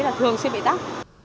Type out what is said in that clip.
là thường xuyên bị tắc